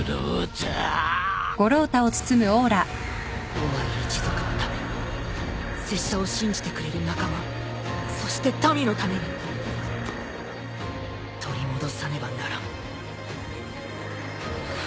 オワリ一族のため拙者を信じてくれる仲間そして民のために取り戻さねばならん。